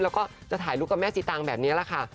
แล้วก็จะถ่ายรูปกับแม่สีตังแบบนี้แหละค่ะ